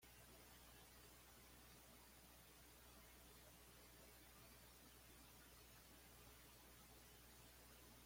Tras ganar un nivel, el concursante puede retirarse llevándose lo acumulado o seguir jugando.